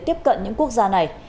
tiếp cận những quốc gia này